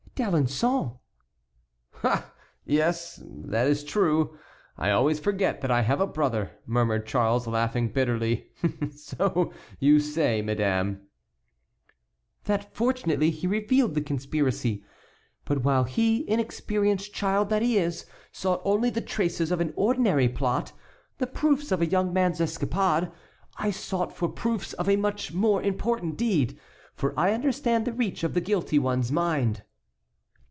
"D'Alençon." "Ah! yes, that is true; I always forget that I have a brother," murmured Charles, laughing bitterly; "so you say, madame"— "That fortunately he revealed the conspiracy. But while he, inexperienced child that he is, sought only the traces of an ordinary plot, the proofs of a young man's escapade, I sought for proofs of a much more important deed; for I understand the reach of the guilty one's mind."